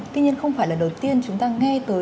tuy nhiên không phải lần đầu tiên chúng ta nghe tới